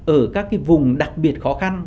ở các cái vùng đặc biệt khó khăn